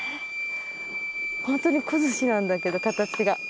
ホントに小槌なんだけど形が。